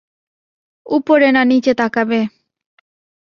উপরে না নিচে তাকাবে?